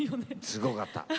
すごかった。